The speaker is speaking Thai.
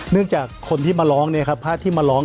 จากคนที่มาร้องเนี่ยครับภาพที่มาร้อง